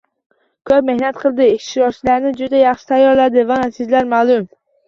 Ko‘p mehnat qildi, ishtirokchilarini juda yaxshi tayyorladi va natijalar ma’lum.